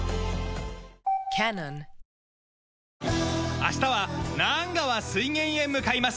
明日はナーン川水源へ向かいます。